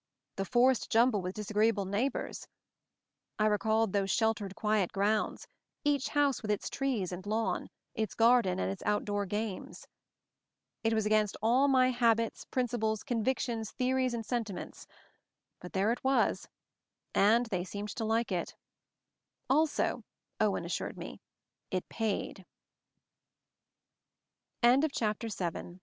The "forced jumble with disagreeable neighbors I" I recalled those sheltered quiet grounds ; each house with its trees and lawn, its garden and its outdoor games. It was against all my habits, principles, convictions, theories, and sentiments; but there it was, and they seemed t